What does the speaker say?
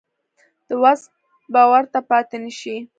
د وس به ورته پاتې نه شي.